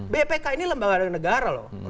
bpk ini lembaga negara loh